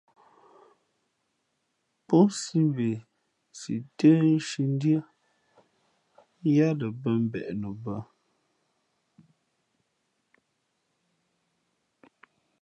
Pó nsī mbe si tə́ nshǐ ndʉ́ά yáá lα bᾱ mbeʼ nu bᾱ.